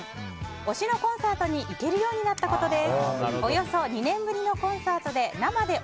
推しのコンサートに行けるようになったことです。